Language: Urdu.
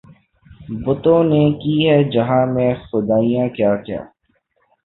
بتوں نے کی ہیں جہاں میں خدائیاں کیا کیا